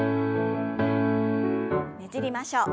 ねじりましょう。